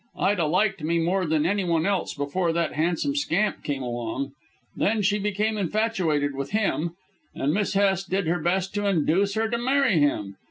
Ida liked me more than anyone else before that handsome scamp came along. Then she became infatuated with him, and Miss Hest did her best to induce her to marry him.